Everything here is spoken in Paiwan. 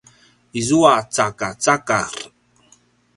izua “cakacakar”